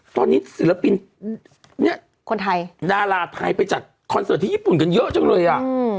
ตอนนี้ศิลปินเนี่ยคนไทยดาราไทยไปจัดคอนเสิร์ตที่ญี่ปุ่นกันเยอะจังเลยอ่ะ